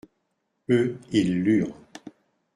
Eux, ils lurent.